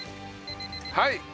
はい。